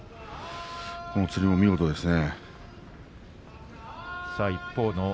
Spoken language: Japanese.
このつりが見事ですね。